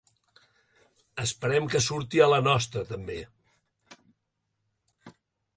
Esperem que surti a la nostra, també.